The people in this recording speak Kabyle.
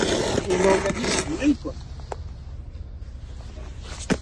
Imawlan-nnes ḥemmlen-ken.